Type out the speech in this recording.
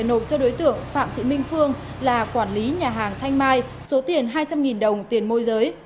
nộp cho đối tượng phạm thị minh phương là quản lý nhà hàng thanh mai số tiền hai trăm linh đồng tiền môi giới